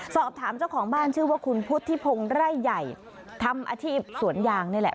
สอบถามเจ้าของบ้านชื่อว่าคุณพุทธิพงศ์ไร่ใหญ่ทำอาชีพสวนยางนี่แหละ